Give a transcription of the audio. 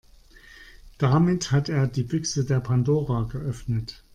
Damit hat er die Büchse der Pandora geöffnet.